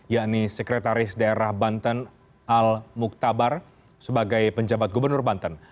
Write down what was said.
yakni sekretaris daerah banten al muktabar sebagai penjabat gubernur banten